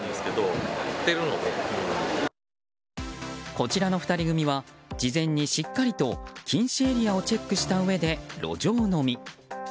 こちらの２人組は事前にしっかりと禁止エリアをチェックしたうえで路上飲み。